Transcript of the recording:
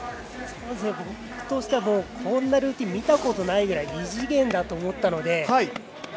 僕としてはこんなルーティンは見たことないぐらい異次元だと思ったので。